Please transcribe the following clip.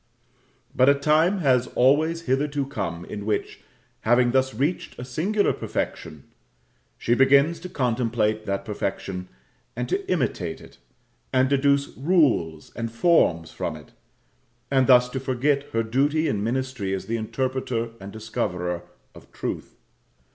But a time has always hitherto come, in which, having thus reached a singular perfection, she begins to contemplate that perfection, and to imitate it, and deduce rules and forms from it; and thus to forget her duty and ministry as the interpreter and discoverer of Truth.